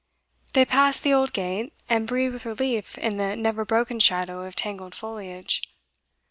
They passed the old gate, and breathed with relief in the never broken shadow of tangled foliage.